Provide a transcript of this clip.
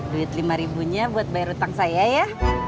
duit rp lima buat bayar utang saya ya